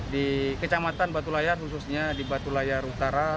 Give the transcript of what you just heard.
di kecamatan batu layar khususnya di batu layar utara